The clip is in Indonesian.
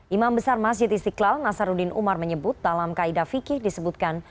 imam besar masjid istiqlal nasaruddin umar menyebut dalam kaedah fikih disebutkan